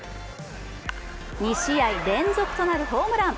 ２試合連続となるホームラン。